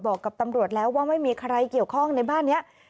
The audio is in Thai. บอกกับตำรวจแล้วว่าไม่มีใครเกี่ยวข้องในบ้านนี้